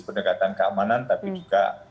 pendekatan keamanan tapi juga